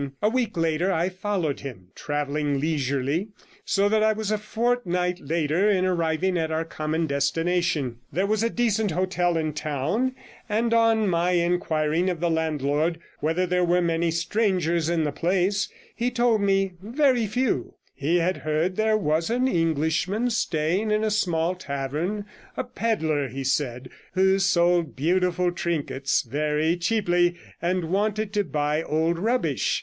A week later I followed him, travelling leisurely, so that I was a fortnight later in arriving at our common destination. There was a decent hotel in the town, and on my inquiring of the landlord whether there were many strangers in the place, he told me very few; he had heard there was an Englishman staying in a small tavern, a pedlar, he said, who sold beautiful trinkets very cheaply, and wanted to buy old rubbish.